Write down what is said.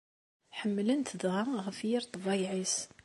Ḥemmleɣ-t dɣa ɣef yir ṭṭbayeɛ-is.